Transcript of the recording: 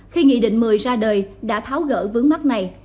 khi nghị định một mươi ra đời đã tháo gỡ vướng mắt này